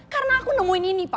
karena aku nemuin ini pa